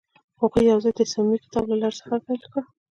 هغوی یوځای د صمیمي کتاب له لارې سفر پیل کړ.